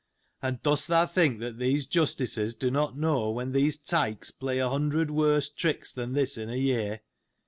And dost thou think that these Justices do not know, when these tykes play a hundred worse tricks than this in a year